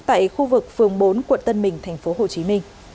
tại khu vực phường bốn quận tân bình tp hcm